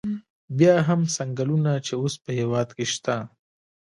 بیا هم څنګلونه چې اوس په هېواد کې شته.